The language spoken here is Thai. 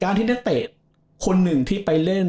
ที่นักเตะคนหนึ่งที่ไปเล่น